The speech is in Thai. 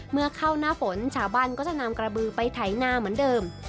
เมื่อเข้าหน้าฝนชาวบ้านก็จะนำกระบือไปไถนาเหมือนเดิม